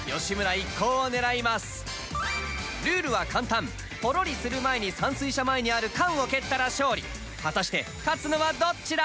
ルールは簡単ポロリする前に散水車前にある缶を蹴ったら勝利果たして勝つのはどっちだ？